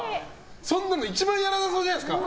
そんなの一番やらなそうじゃないですか。